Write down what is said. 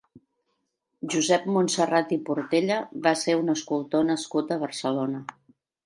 Josep Monserrat i Portella va ser un escultor nascut a Barcelona.